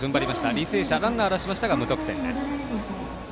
履正社、ランナー出しましたが無得点です。